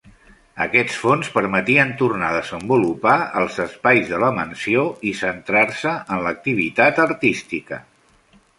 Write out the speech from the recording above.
Aquests fons permetien tornar a desenvolupar els espais de la mansió i centrar-se en l'activitat artística.